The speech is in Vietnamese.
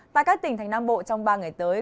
tại các tỉnh thành nam bộ trong ba ngày tới